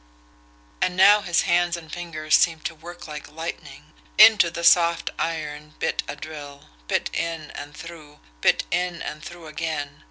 And now his hands and fingers seemed to work like lightning. Into the soft iron bit a drill bit in and through bit in and through again.